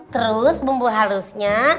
terus bumbu halusnya